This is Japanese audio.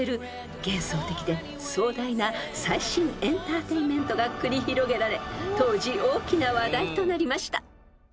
幻想的で壮大な最新エンターテインメントが繰り広げられ当時大きな話題となりました］